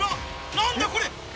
何だ⁉これ！